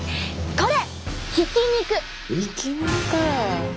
これ。